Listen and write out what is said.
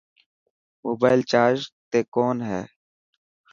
موبائل چارج تي ڪون هي.